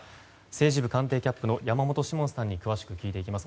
政治部官邸キャップの山本志門さんに詳しく聞きます。